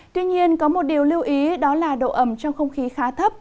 tuy nhiên có một điều lưu ý đó là độ ẩm trong không khí khá thấp